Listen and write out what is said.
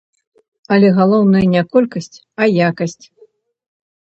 Але галоўнае не колькасць, а якасць.